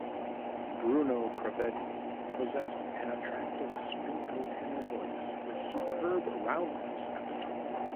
Bruno Prevedi possessed an attractive spinto tenor voice with superb roundness at the top.